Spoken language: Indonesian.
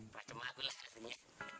pak cemakulah rasanya